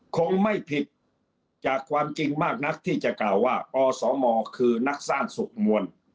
คงไม่ผิดจากความจริงมากนักที่จะกล่าวว่าอสมคือนักสร้างสุขมวล